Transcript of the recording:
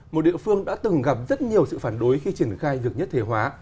một địa phương đã từng gặp rất nhiều sự phản đối khi triển khai việc nhất thể hóa